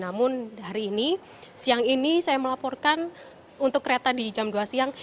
namun hari ini siang ini saya melaporkan untuk kereta di jam dua siang